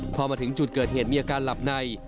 พอมาถึงจุดเกิดเหตุมีอาการหลับใน